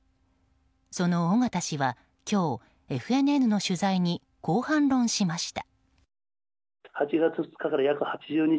その尾形氏は今日、ＦＮＮの取材にこう反論しました。